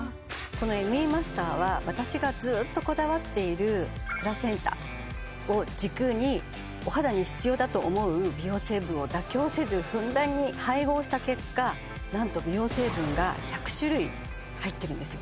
このＭＥマスターは私がずっとこだわっているプラセンタを軸にお肌に必要だと思う美容成分を妥協せずふんだんに配合した結果なんと美容成分が１００種類入ってるんですよ